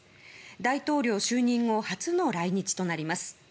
大統領就任後初の来日となります。